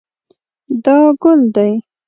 دا ګل دی